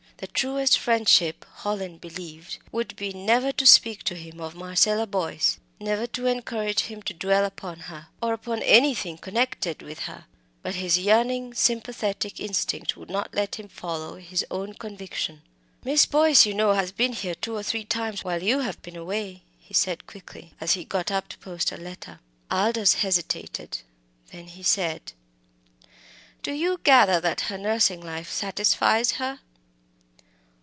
The truest friendship, Hallin believed, would be never to speak to him of Marcella Boyce never to encourage him to dwell upon her, or upon anything connected with her. But his yearning, sympathetic instinct would not let him follow his own conviction. "Miss Boyce, you know, has been here two or three times while you have been away," he said quickly, as he got up to post a letter. Aldous hesitated; then he said "Do you gather that her nursing life satisfies her?"